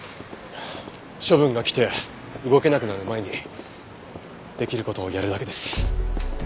処分がきて動けなくなる前にできる事をやるだけです。